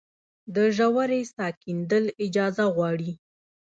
د ژورې څاه کیندل اجازه غواړي؟